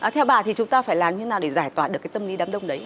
theo bà thì chúng ta phải làm như thế nào để giải tỏa được cái tâm lý đám đông đấy